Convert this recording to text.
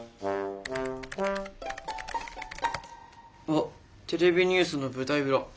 あっ「テレビニュースの舞台裏」。